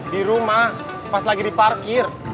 di rumah pas lagi diparkir